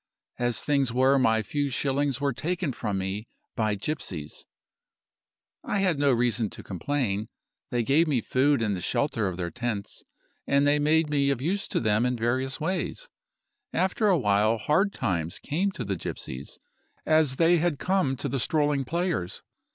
As things were, my few shillings were taken from me by gypsies. I had no reason to complain. They gave me food and the shelter of their tents, and they made me of use to them in various ways. After a while hard times came to the gypsies, as they had come to the strolling players.